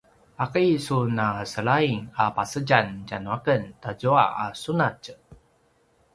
’aki sun a selaing a pasedjam tjanuaken tazua a sunatj?